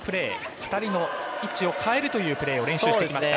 ２人の位置を変えるプレーを練習してきました。